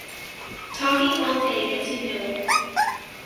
Talking all day gets you nowhere.